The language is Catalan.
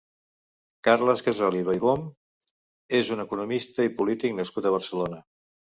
Carles Gasòliba i Böhm és un economista i polític nascut a Barcelona.